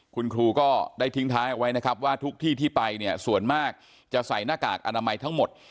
คุณครูก็ได้ทิ้งท้ายเอาไว้นะครับว่าทุกที่ที่ไปเนี่ยส่วนมากจะใส่หน้ากากอนามัยทั้งหมด